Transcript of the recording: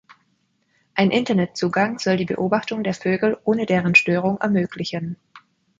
Ein Internetzugang soll die Beobachtung der Vögel ohne deren Störung ermöglichen.